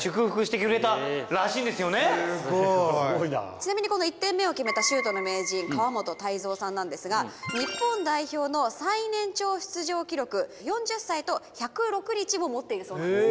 ちなみにこの１点目を決めたシュートの名人川本泰三さんなんですが日本代表の最年長出場記録４０歳と１０６日も持っているそうなんです。